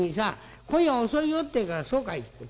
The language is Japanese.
『今夜は遅いよ』って言うから『そうかい』って。